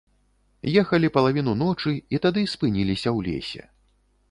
Ехалі палавіну ночы і тады спыніліся ў лесе.